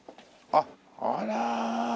あっあら。